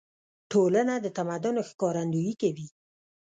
ټولنه د تمدن ښکارندويي کوي.